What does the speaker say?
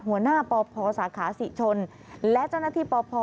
หัวหน้าปพสาขาศิชนและเจ้าหน้าที่ปพ